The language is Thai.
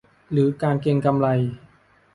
หรือการเก็งกำไร